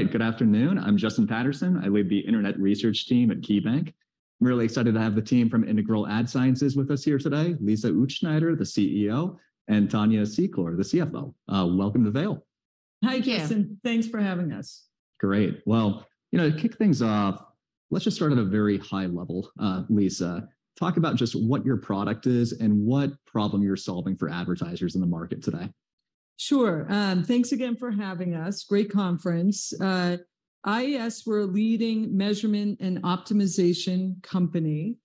All right, good afternoon. I'm Justin Patterson. I lead the internet research team at KeyBanc. I'm really excited to have the team from Integral Ad Science with us here today, Lisa Utzschneider, the CEO, and Tania Secor, the CFO. Welcome to Vail. Hi, Justin. Hi. Thanks for having us. Great. Well, you know, to kick things off, let's just start at a very high level. Lisa, talk about just what your product is and what problem you're solving for advertisers in the market today. Sure. Thanks again for having us. Great conference. IAS, we're a leading measurement and optimization company,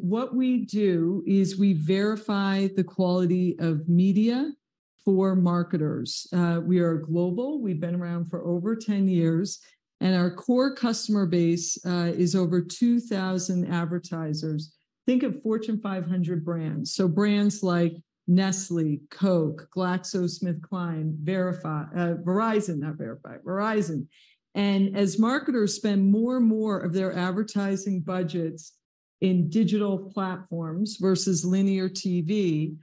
what we do is we verify the quality of media for marketers. We are global. We've been around for over 10 years, our core customer base is over 2,000 advertisers. Think of Fortune 500 brands, so brands like Nestlé, Coke, GlaxoSmithKline, Verifi- Verizon, not Verifi, Verizon. As marketers spend more and more of their advertising budgets in digital platforms versus linear TV,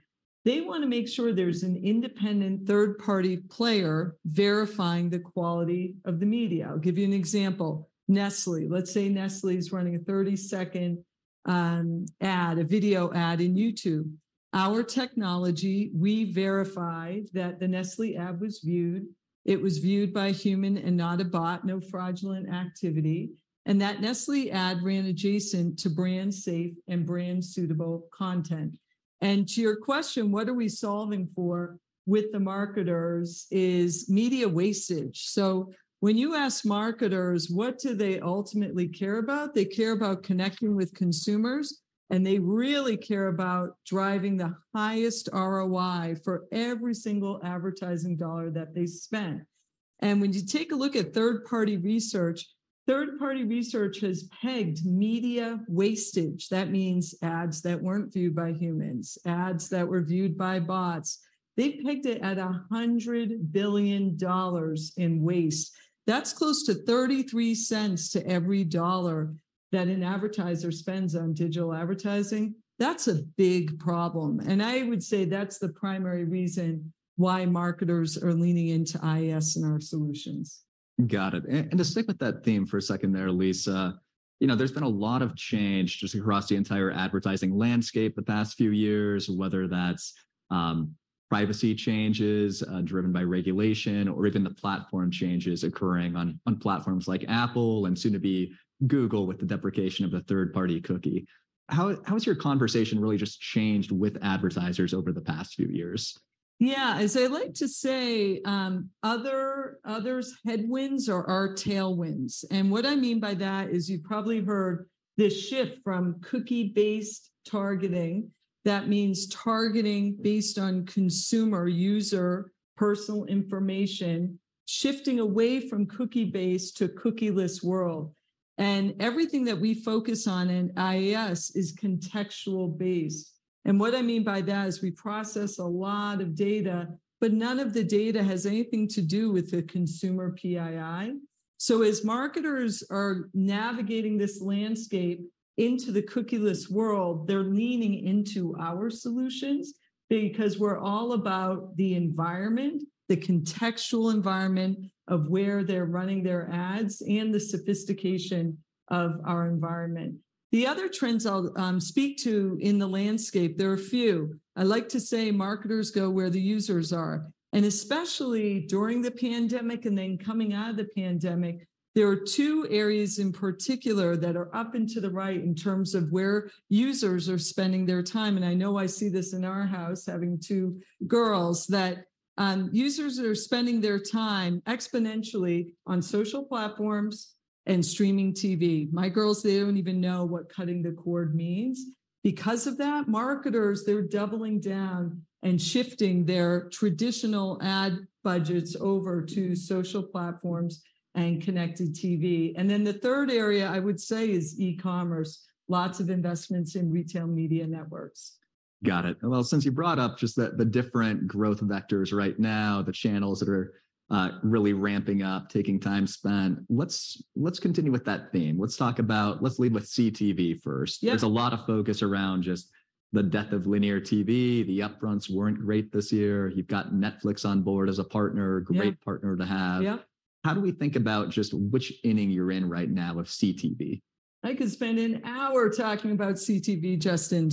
they wanna make sure there's an independent third-party player verifying the quality of the media. I'll give you an example. Nestlé. Let's say Nestlé is running a 30-second ad, a video ad in YouTube. Our technology, we verified that the Nestle ad was viewed, it was viewed by a human and not a bot, no fraudulent activity, and that Nestle ad ran adjacent to brand safe and brand suitable content. To your question, what are we solving for with the marketers, is media wastage. When you ask marketers, what do they ultimately care about? They care about connecting with consumers, and they really care about driving the highest ROI for every single advertising dollar that they spend. When you take a look at third-party research, third-party research has pegged media wastage. That means ads that weren't viewed by humans, ads that were viewed by bots. They've pegged it at $100 billion in waste. That's close to $0.33 to every dollar that an advertiser spends on digital advertising. That's a big problem, and I would say that's the primary reason why marketers are leaning into IAS and our solutions. To stick with that theme for a second there, Lisa, you know, there's been a lot of change just across the entire advertising landscape the past few years, whether that's privacy changes, driven by regulation, or even the platform changes occurring on platforms like Apple and soon to be Google with the deprecation of the third-party cookie. How, how has your conversation really just changed with advertisers over the past few years? Yeah, as I like to say, other's headwinds are our tailwinds. What I mean by that is you've probably heard this shift from cookie-based targeting. That means targeting based on consumer user personal information, shifting away from cookie-based to cookieless world. Everything that we focus on in IAS is contextual-based. What I mean by that is we process a lot of data, but none of the data has anything to do with the consumer PII. As marketers are navigating this landscape into the cookieless world, they're leaning into our solutions because we're all about the environment, the contextual environment of where they're running their ads, and the sophistication of our environment. The other trends I'll speak to in the landscape, there are a few. I like to say marketers go where the users are. Especially during the pandemic and then coming out of the pandemic, there are 2 areas in particular that are up and to the right in terms of where users are spending their time, and I know I see this in our house, having 2 girls, that, users are spending their time exponentially on social platforms and streaming TV. My girls, they don't even know what cutting the cord means. Because of that, marketers, they're doubling down and shifting their traditional ad budgets over to social platforms and connected TV. Then the 3rd area I would say is e-commerce. Lots of investments in retail media networks. Got it. Well, since you brought up just the, the different growth vectors right now, the channels that are really ramping up, taking time spent, let's, let's continue with that theme. Let's lead with CTV first. Yeah. There's a lot of focus around just the death of linear TV. The upfronts weren't great this year. You've got Netflix on board as a partner. Yeah great partner to have. Yeah. How do we think about just which inning you're in right now with CTV? I could spend an hour talking about CTV, Justin.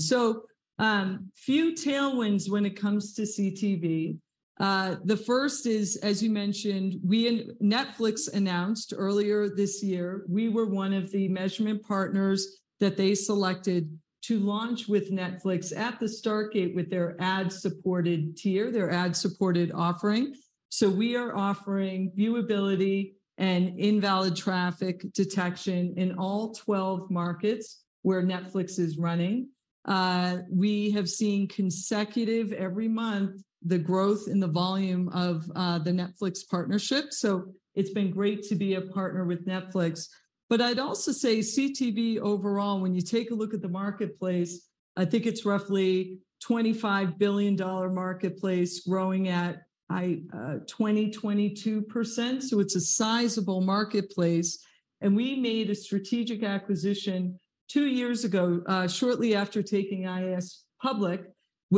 Few tailwinds when it comes to CTV. The first is, as you mentioned, Netflix announced earlier this year, we were one of the measurement partners that they selected to launch with Netflix out of the gate with their ad-supported tier, their ad-supported offering. We are offering viewability and invalid traffic detection in all 12 markets where Netflix is running. We have seen consecutive, every month, the growth in the volume of the Netflix partnership, so it's been great to be a partner with Netflix. I'd also say CTV overall, when you take a look at the marketplace, I think it's roughly $25 billion dollar marketplace growing at 20%-22%, so it's a sizable marketplace. We made a strategic acquisition two years ago, shortly after taking IAS public.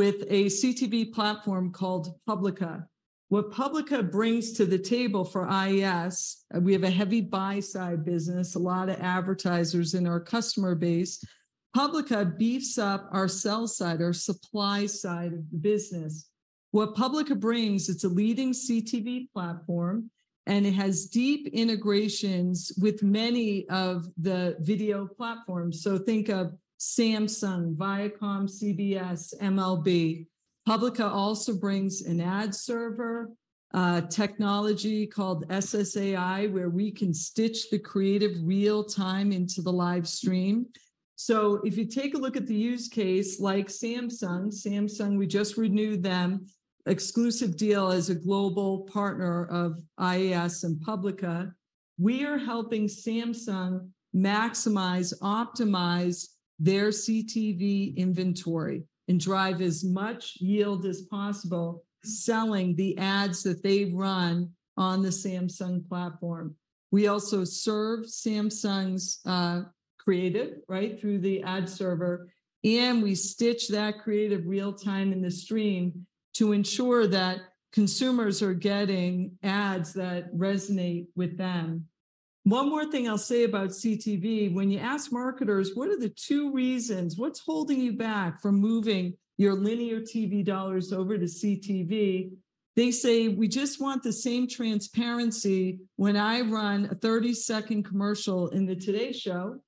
with a CTV platform called Publica. What Publica brings to the table for IAS, we have a heavy buy-side business, a lot of advertisers in our customer base. Publica beefs up our sell side, our supply side of the business. What Publica brings, it's a leading CTV platform, and it has deep integrations with many of the video platforms. Think of Samsung, Viacom, CBS, MLB. Publica also brings an ad server, technology called SSAI, where we can stitch the creative real time into the live stream. If you take a look at the use case, like Samsung, Samsung, we just renewed them, exclusive deal as a global partner of IAS and Publica, we are helping Samsung maximize, optimize their CTV inventory and drive as much yield as possible, selling the ads that they run on the Samsung platform. We also serve Samsung's creative, right, through the ad server, and we stitch that creative real time in the stream to ensure that consumers are getting ads that resonate with them. One more thing I'll say about CTV: when you ask marketers: "What are the two reasons-- What's holding you back from moving your linear TV dollars over to CTV?" They say, "We just want the same transparency. When I run a 30-second commercial in the Today Show,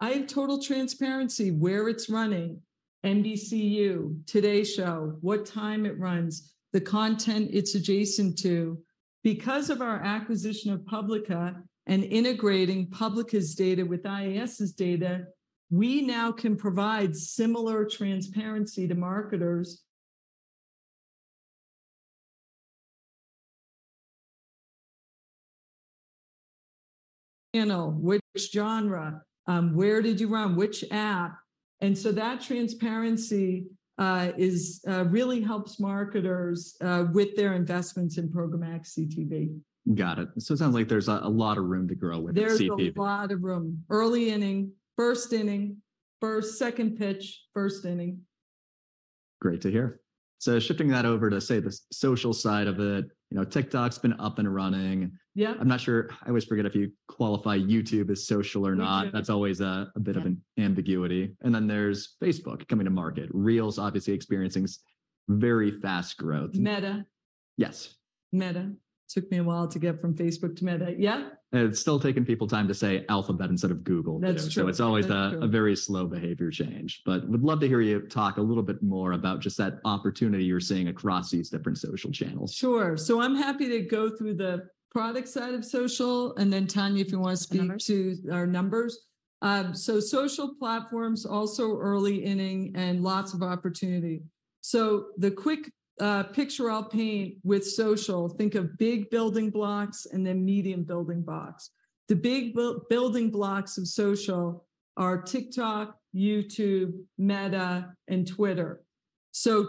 I have total transparency where it's running, NBCU, Today Show, what time it runs, the content it's adjacent to." Because of our acquisition of Publica and integrating Publica's data with IAS's data, we now can provide similar transparency to marketers. You know, which genre, where did you run, which app? That transparency is really helps marketers with their investments in programmatic CTV. Got it. It sounds like there's a lot of room to grow with CTV. There's a lot of room. Early inning, first inning. First, second pitch, first inning. Great to hear. Shifting that over to, say, the social side of it, you know, TikTok's been up and running. Yep. I'm not sure I always forget if you qualify YouTube as social or not. Yeah. That's always a bit of. Yeah... ambiguity. Then there's Facebook coming to market. Reels obviously experiencing very fast growth. Meta. Yes. Meta. Took me a while to get from Facebook to Meta. Yeah? It's still taking people time to say Alphabet instead of Google. That's true. So it's always a- That's true.... a very slow behavior change. Would love to hear you talk a little bit more about just that opportunity you're seeing across these different social channels. Sure. I'm happy to go through the product side of social and then, Tania, if you wanna speak- Numbers... to our numbers. Social platforms, also early inning and lots of opportunity. The quick picture I'll paint with social, think of big building blocks and then medium building blocks. The big building blocks of social are TikTok, YouTube, Meta, and Twitter.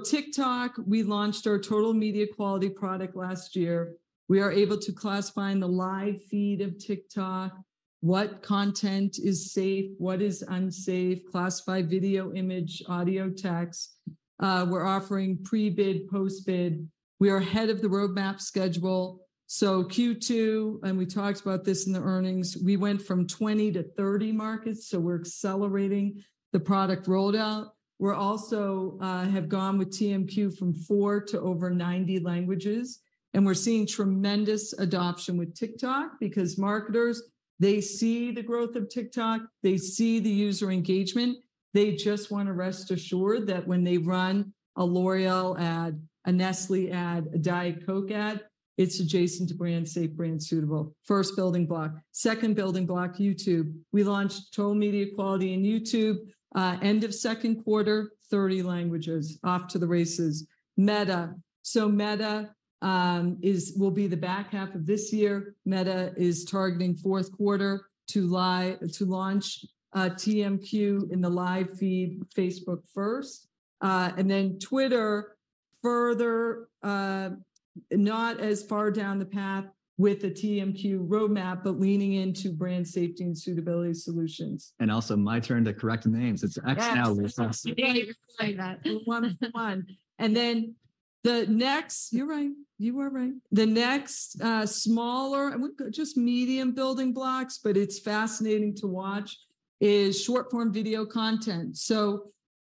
TikTok, we launched our Total Media Quality product last year. We are able to classify in the live feed of TikTok what content is safe, what is unsafe, classify video, image, audio, text. We're offering pre-bid, post-bid. We are ahead of the roadmap schedule, so Q2, and we talked about this in the earnings, we went from 20 to 30 markets, so we're accelerating the product rollout. We're also have gone with TMQ from 4 to over 90 languages, and we're seeing tremendous adoption with TikTok because marketers, they see the growth of TikTok, they see the user engagement. They just wanna rest assured that when they run a L'Oréal ad, a Nestlé ad, a Diet Coke ad, it's adjacent to brand safe, brand suitable. First building block. Second building block, YouTube. We launched Total Media Quality in YouTube, end of second quarter, 30 languages, off to the races. Meta. Meta will be the back half of this year. Meta is targeting fourth quarter to launch TMQ in the live feed, Facebook first. Twitter, further, not as far down the path with the TMQ roadmap, but leaning into brand safety and suitability solutions. Also, my turn to correct the names. It's X now. Yes. Yeah, you can say that. 1 to 1. Then the next... You're right. You are right. The next smaller, I would go just medium building blocks, but it's fascinating to watch, is short-form video content.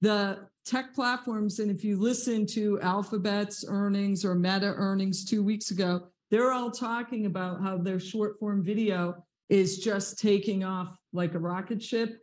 The tech platforms, and if you listen to Alphabet's earnings or Meta earnings two weeks ago, they're all talking about how their short-form video is just taking off like a rocket ship.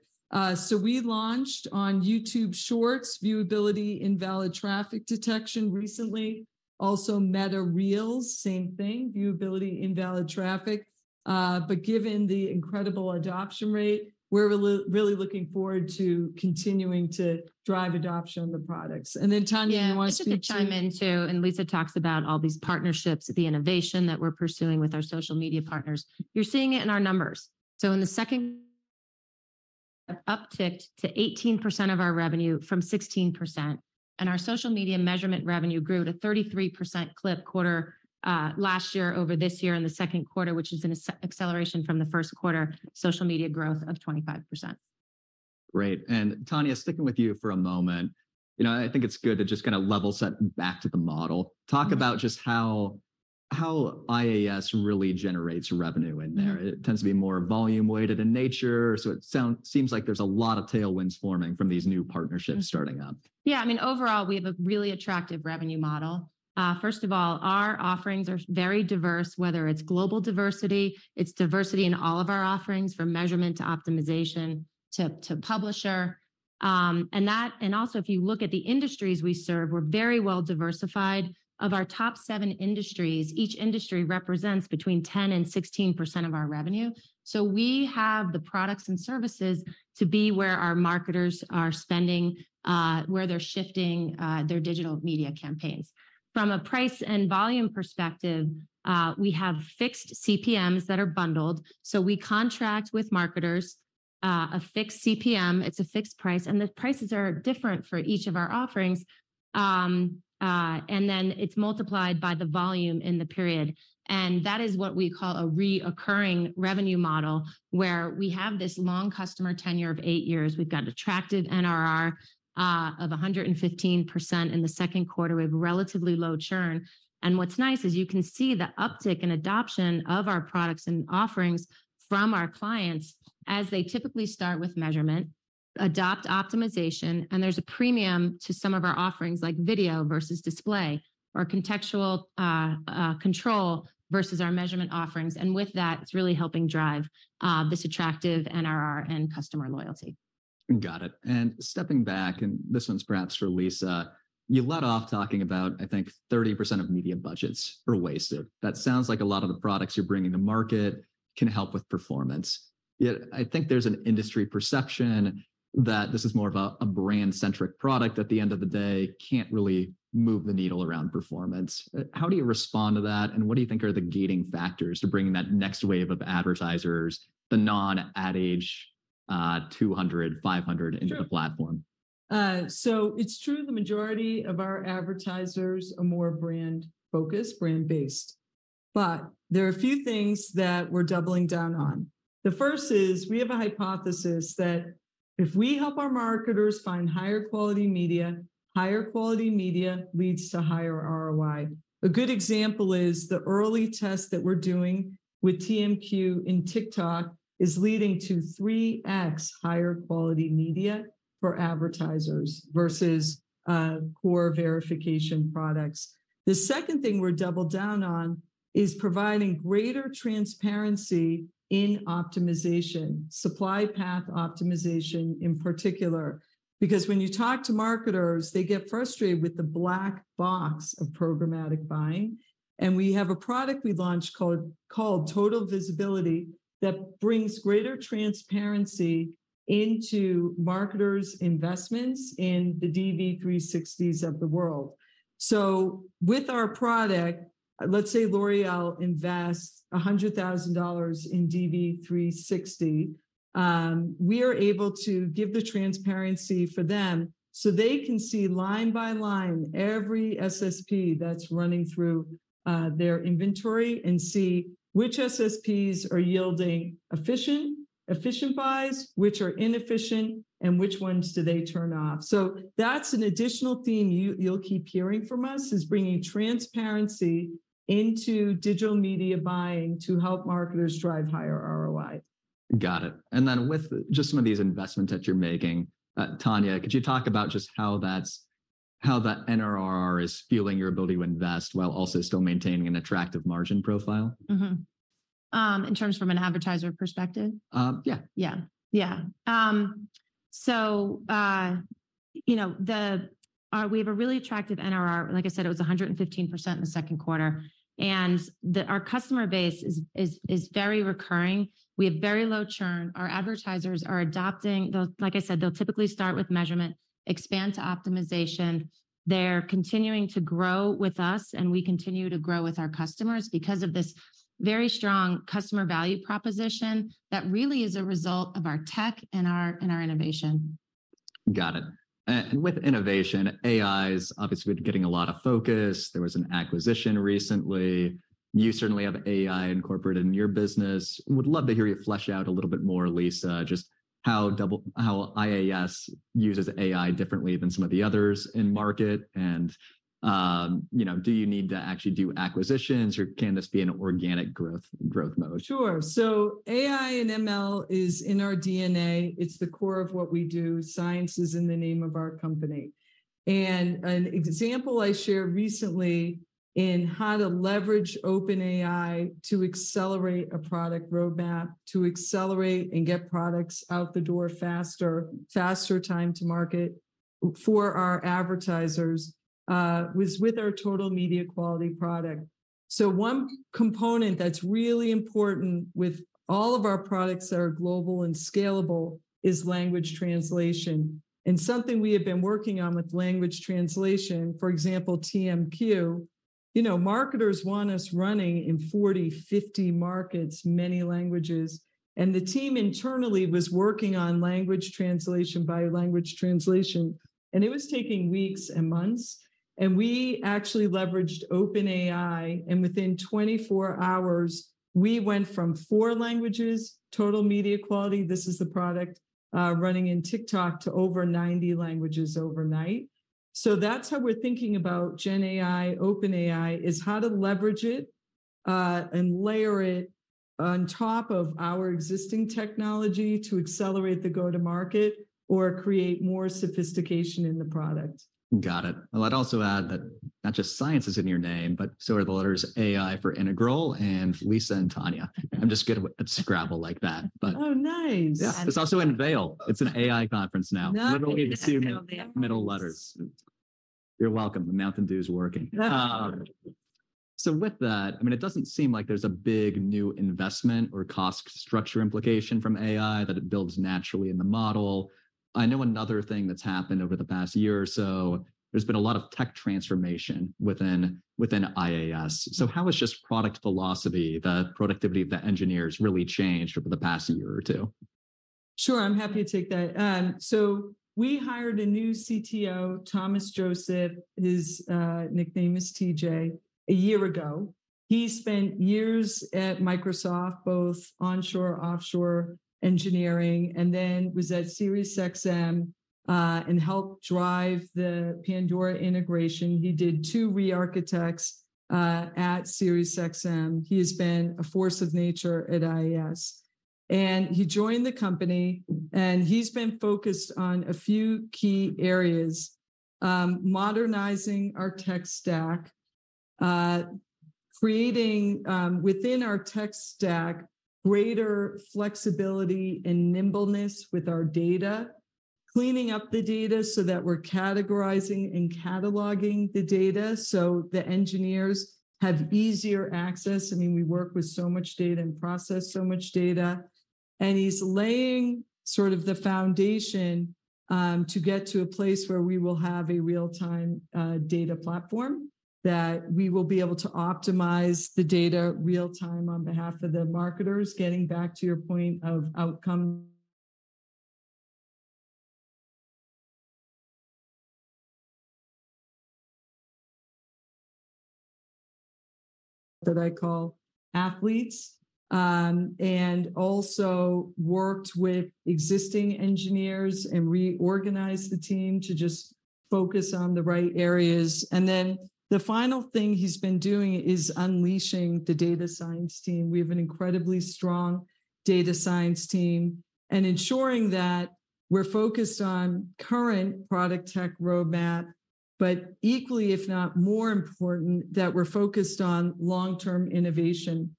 We launched on YouTube Shorts, viewability, invalid traffic detection recently. Also, Meta Reels, same thing, viewability, invalid traffic. But given the incredible adoption rate, we're really looking forward to continuing to drive adoption of the products. Then, Tania, if you want to speak to- Just to chime in, too, Lisa talks about all these partnerships, the innovation that we're pursuing with our social media partners. You're seeing it in our numbers. In the second, upticked to 18% of our revenue from 16%, and our social media measurement revenue grew at a 33% clip quarter, last year over this year in the second quarter, which is an acceleration from the first quarter social media growth of 25%.... Great. Tania, sticking with you for a moment, you know, I think it's good to just kind of level set back to the model. Talk about just how IAS really generates revenue in there. It tends to be more volume-weighted in nature, so it seems like there's a lot of tailwinds forming from these new partnerships starting up. Yeah, I mean, overall, we have a really attractive revenue model. First of all, our offerings are very diverse, whether it's global diversity, it's diversity in all of our offerings, from measurement to optimization, to, to publisher. That, and also, if you look at the industries we serve, we're very well diversified. Of our top seven industries, each industry represents between 10 and 16% of our revenue. We have the products and services to be where our marketers are spending, where they're shifting, their digital media campaigns. From a price and volume perspective, we have fixed CPMs that are bundled, so we contract with marketers, a fixed CPM, it's a fixed price, and the prices are different for each of our offerings, and then it's multiplied by the volume in the period. That is what we call a recurring revenue model, where we have this long customer tenure of eight years. We've got attractive NRR, of 115% in the second quarter. We have relatively low churn, and what's nice is you can see the uptick in adoption of our products and offerings from our clients as they typically start with measurement, adopt optimization, and there's a premium to some of our offerings, like video versus display, or contextual control versus our measurement offerings, and with that, it's really helping drive this attractive NRR and customer loyalty. Got it. Stepping back, and this one's perhaps for Lisa, you led off talking about, I think, 30% of media budgets are wasted. That sounds like a lot of the products you're bringing to market can help with performance. Yet, I think there's an industry perception that this is more of a, a brand-centric product, at the end of the day, can't really move the needle around performance. How do you respond to that, and what do you think are the gating factors to bringing that next wave of advertisers, the non-Ad Age, 200, 500- Sure into the platform? It's true the majority of our advertisers are more brand-focused, brand-based, but there are a few things that we're doubling down on. The first is, we have a hypothesis that if we help our marketers find higher quality media, higher quality media leads to higher ROI. A good example is the early test that we're doing with TMQ in TikTok is leading to 3X higher quality media for advertisers versus core verification products. The second thing we're doubled down on is providing greater transparency in optimization, supply path optimization in particular. When you talk to marketers, they get frustrated with the black box of programmatic buying, and we have a product we launched called, called Total Visibility that brings greater transparency into marketers' investments in the DV360s of the world. With our product, let's say L'Oréal invests $100,000 in DV360, we are able to give the transparency for them so they can see line by line every SSP that's running through their inventory and see which SSPs are yielding efficient, efficient buys, which are inefficient, and which ones do they turn off. That's an additional theme you, you'll keep hearing from us, is bringing transparency into digital media buying to help marketers drive higher ROI. Got it. With just some of these investments that you're making, Tania, could you talk about just how that's, how that NRR is fueling your ability to invest while also still maintaining an attractive margin profile? Mm-hmm. In terms from an advertiser perspective? Yeah. Yeah. Yeah. You know, we have a really attractive NRR, like I said, it was 115% in the second quarter, and our customer base is very recurring. We have very low churn. Our advertisers are adopting, they'll like I said, they'll typically start with measurement, expand to optimization. They're continuing to grow with us, and we continue to grow with our customers because of this very strong customer value proposition that really is a result of our tech and our innovation. Got it. With innovation, AI is obviously getting a lot of focus. There was an acquisition recently. You certainly have AI incorporated in your business. Would love to hear you flesh out a little bit more, Lisa, just how Double-- how IAS uses AI differently than some of the others in market, and, you know, do you need to actually do acquisitions, or can this be an organic growth, growth mode? Sure. AI and ML is in our DNA. It's the core of what we do. Science is in the name of our company. An example I shared recently in how to leverage OpenAI to accelerate a product roadmap, to accelerate and get products out the door faster, faster time to market for our advertisers, was with our Total Media Quality product. One component that's really important with all of our products that are global and scalable is language translation. Something we have been working on with language translation, for example, TMQ, you know, marketers want us running in 40, 50 markets, many languages. The team internally was working on language translation by language translation. It was taking weeks and months. We actually leveraged OpenAI, and within 24 hours, we went from 4 languages, Total Media Quality, this is the product, running in TikTok, to over 90 languages overnight. That's how we're thinking about Gen AI, OpenAI, is how to leverage it and layer it on top of our existing technology to accelerate the go-to-market or create more sophistication in the product. Got it. Well, I'd also add that not just Science is in your name, but so are the letters AI for Integral, and Lisa and Tania. I'm just good at Scrabble like that. Oh, nice! Yeah. It's also in Vail. It's an AI conference now. Nice. We only see middle, middle letters. You're welcome. The Mountain Dew is working. With that, I mean, it doesn't seem like there's a big new investment or cost structure implication from AI, that it builds naturally in the model. I know another thing that's happened over the past year or so, there's been a lot of tech transformation within, within IAS. How has just product philosophy, the productivity of the engineers really changed over the past year or two? Sure, I'm happy to take that. We hired a new CTO, Thomas Joseph. His nickname is TJ, a year ago. He spent years at Microsoft, both onshore, offshore engineering, and then was at SiriusXM and helped drive the Pandora integration. He did two rearchitects at SiriusXM. He has been a force of nature at IAS, and he joined the company, and he's been focused on a few key areas, modernizing our tech stack, creating within our tech stack greater flexibility and nimbleness with our data, cleaning up the data so that we're categorizing and cataloging the data, so the engineers have easier access. I mean, we work with so much data and process so much data. He's laying sort of the foundation to get to a place where we will have a real-time data platform, that we will be able to optimize the data real time on behalf of the marketers, getting back to your point of outcome that I call athletes. Also worked with existing engineers and reorganized the team to just focus on the right areas. The final thing he's been doing is unleashing the data science team. We have an incredibly strong data science team, and ensuring that we're focused on current product tech roadmap, but equally, if not more important, that we're focused on long-term innovation.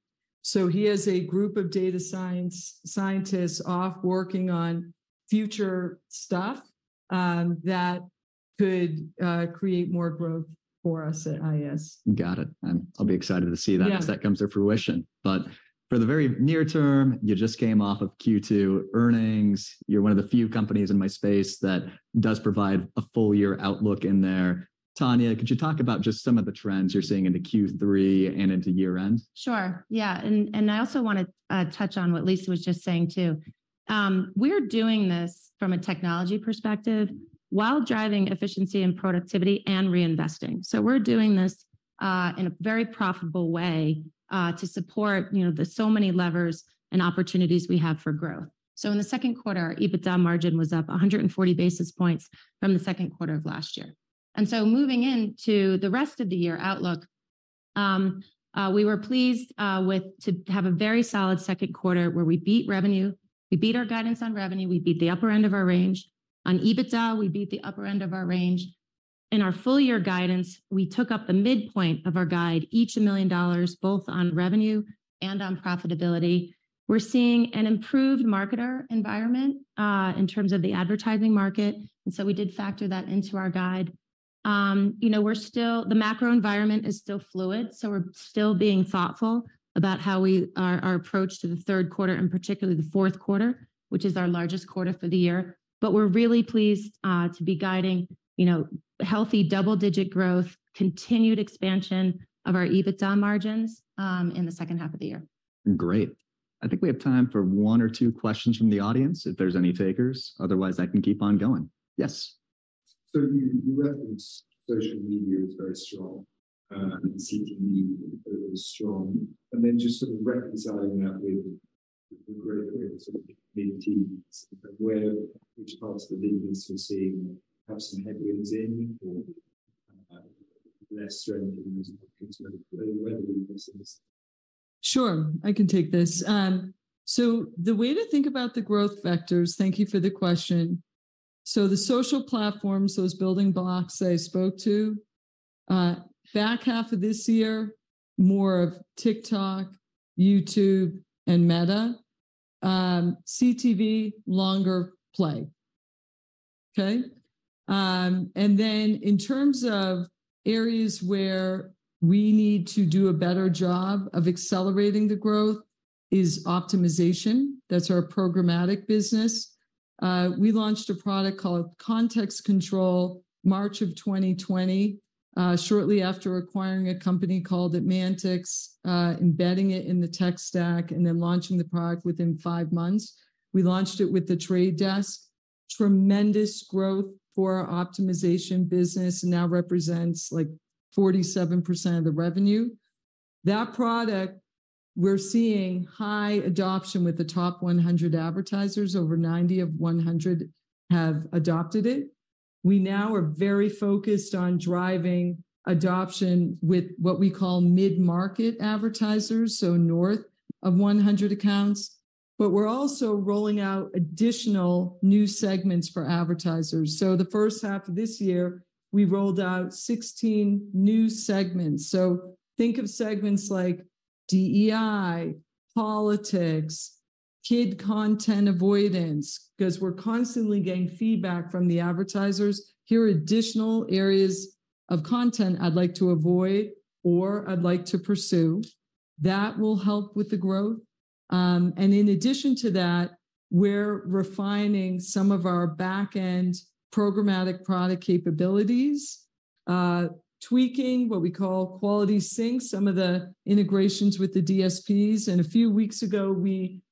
He has a group of data science, scientists off working on future stuff that could create more growth for us at IAS. Got it. I'll be excited to see that. Yeah... as that comes to fruition. For the very near term, you just came off of Q2 earnings. You're one of the few companies in my space that does provide a full year outlook in there. Tania, could you talk about just some of the trends you're seeing into Q3 and into year-end? Sure, yeah, and, and I also wanna touch on what Lisa was just saying, too. We're doing this from a technology perspective, while driving efficiency and productivity, and reinvesting. We're doing this in a very profitable way to support, you know, the so many levers and opportunities we have for growth. In the second quarter, EBITDA margin was up 140 basis points from the second quarter of last year. Moving into the rest of the year outlook, we were pleased with, to have a very solid second quarter where we beat revenue, we beat our guidance on revenue, we beat the upper end of our range. On EBITDA, we beat the upper end of our range. In our full year guidance, we took up the midpoint of our guide, each $1 million, both on revenue and on profitability. We're seeing an improved marketer environment in terms of the advertising market, so we did factor that into our guide. You know, we're still, the macro environment is still fluid, so we're still being thoughtful about our approach to the third quarter, and particularly the fourth quarter, which is our largest quarter for the year. We're really pleased to be guiding, you know, healthy double-digit growth, continued expansion of our EBITDA margins in the second half of the year. Great. I think we have time for one or two questions from the audience, if there's any takers. Otherwise, I can keep on going. Yes. You, you referenced social media is very strong, CTV is strong, and then just sort of reconciling that with the great rates of the teams, where, which parts of the business you're seeing have some headwinds in or less strength than those weaknesses? Sure. I can take this. The way to think about the growth vectors... Thank you for the question. The social platforms, those building blocks I spoke to, back half of this year, more of TikTok, YouTube, and Meta. CTV, longer play. Okay? In terms of areas where we need to do a better job of accelerating the growth is optimization. That's our programmatic business. We launched a product called Context Control, March of 2020, shortly after acquiring a company called ADmantX, embedding it in the tech stack, and then launching the product within 5 months. We launched it with The Trade Desk. Tremendous growth for our optimization business, now represents, like, 47% of the revenue. That product, we're seeing high adoption with the top 100 advertisers. Over 90 of 100 have adopted it. We now are very focused on driving adoption with what we call mid-market advertisers, north of 100 accounts, we're also rolling out additional new segments for advertisers. The first half of this year, we rolled out 16 new segments. Think of segments like DEI, politics, kid content avoidance, 'cause we're constantly getting feedback from the advertisers. "Here are additional areas of content I'd like to avoid or I'd like to pursue," that will help with the growth. And in addition to that, we're refining some of our back-end programmatic product capabilities, tweaking what we call Quality Sync, some of the integrations with the DSPs, and a few weeks ago,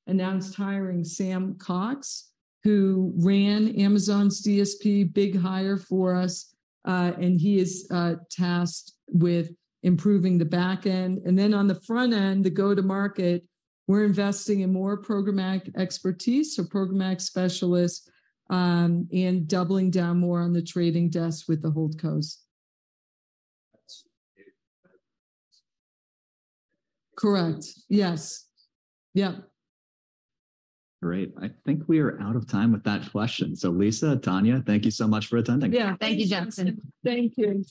we announced hiring Sam Cox, who ran Amazon's DSP, big hire for us, and he is tasked with improving the back end. Then on the front end, the go-to-market, we're investing in more programmatic expertise, so programmatic specialists, and doubling down more on the trading desk with the holdcos. That's it. Correct. Yes. Yep. Great. I think we are out of time with that question. Lisa, Tania, thank you so much for attending. Yeah. Thank you, Jackson. Thank you.